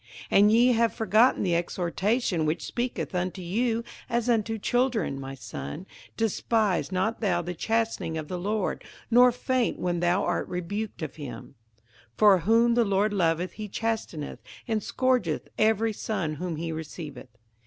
58:012:005 And ye have forgotten the exhortation which speaketh unto you as unto children, My son, despise not thou the chastening of the Lord, nor faint when thou art rebuked of him: 58:012:006 For whom the Lord loveth he chasteneth, and scourgeth every son whom he receiveth.